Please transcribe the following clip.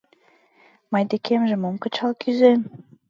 Мый декемже мом кычал кӱзен?